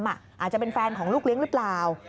อาจจะเป็นแฟนของลูกเลี้ยงหรือเปล่า